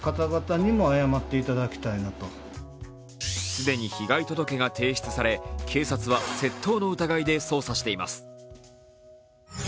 既に被害届が提出され、警察は窃盗の疑いで捜査しています。